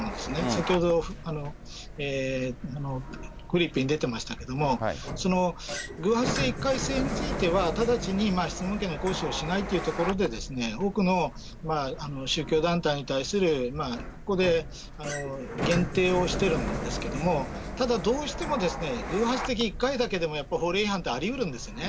先ほど、フリップに出てましたけれども、その偶発性、一回性については直ちに質問権の行使をしないというところで、多くの宗教団体に対する、ここで限定をしてるんですけれども、ただ、どうしても偶発的１回だけでも、やっぱり法令違反ってありうるんですよね。